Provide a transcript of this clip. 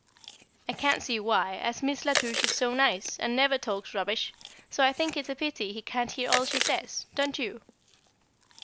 I can't see why, as Miss La Touche is so nice, and never talks rubbish; so I think it a pity he can't hear all she says, don't you?